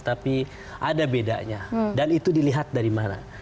tapi ada bedanya dan itu dilihat dari mana